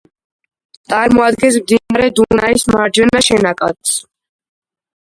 წარმოადგენს მდინარე დუნაის მარჯვენა შენაკადს.